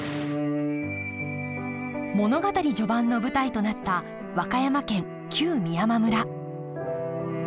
物語序盤の舞台となった和歌山県旧美山村。